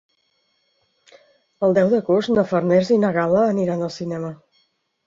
El deu d'agost na Farners i na Gal·la aniran al cinema.